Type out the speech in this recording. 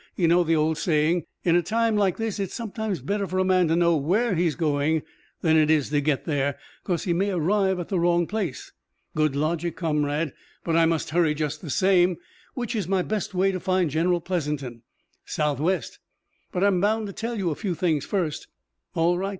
You know the old saying. In a time like this it's sometimes better for a man to know where he's going than it is to get there, 'cause he may arrive at the wrong place." "Good logic, comrade, but I must hurry just the same. Which is my best way to find General Pleasanton?" "Southwest. But I'm bound to tell you a few things first." "All right.